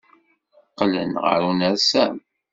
Qqlen ɣer unersam.